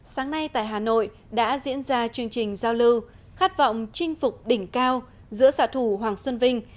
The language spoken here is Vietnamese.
sáng nay tại hà nội đã diễn ra chương trình giao lưu khát vọng chinh phục đỉnh cao giữa xã thủ hoàng xuân vinh